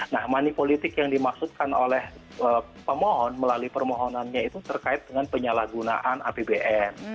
nah money politik yang dimaksudkan oleh pemohon melalui permohonannya itu terkait dengan penyalahgunaan apbn